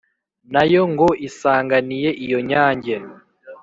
na yo ngo isanganiye iyo nyange